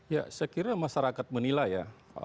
ya saya kira masyarakat menilai ya